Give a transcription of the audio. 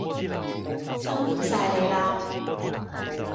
辛苦晒你喇